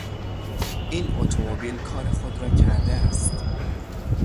این اتومبیل کار خود را کرده است.